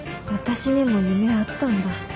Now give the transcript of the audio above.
私にも夢あったんだ。